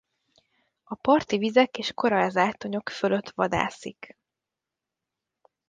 A parti vizek és korallzátonyok fölött vadászik.